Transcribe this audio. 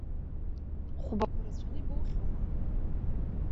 Хәбақәа рацәаны ибоухьоума?